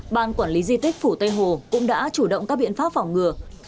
ban quản lý di tích phủ tây hồ cũng đã chủ động các biện pháp phòng ngừa